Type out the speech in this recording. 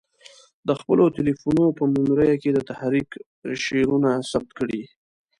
د خپلو تلیفونو په میموریو کې د تحریک شعرونه ثبت کړي.